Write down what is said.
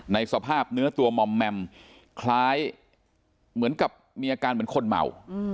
สภาพเนื้อตัวมอมแมมคล้ายเหมือนกับมีอาการเหมือนคนเมา